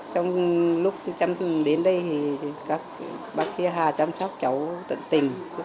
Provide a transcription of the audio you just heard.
trong lúc đến đây thì các bác sĩ hà chăm sóc cháu tận tình